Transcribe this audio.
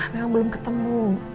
memang belum ketemu